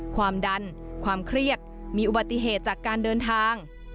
ความดันความเครียดมีอุบัติเหตุจากการเดินทาง